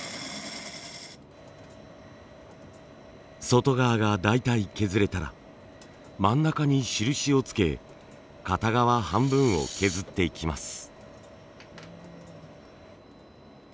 外側が大体削れたら真ん中に印をつけ片側半分を削っていきます。